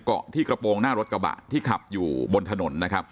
เกาะที่กระโปรงหน้ารถกระบะที่ขับอยู่บนถนนนะครับ